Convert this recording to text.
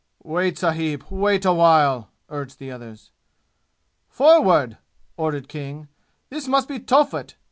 "Wait, sahib! Wait a while!" urged the others. "Forward!" ordered King. "This must be Tophet.